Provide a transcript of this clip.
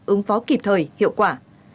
ứng phó kịp thời hiệu quả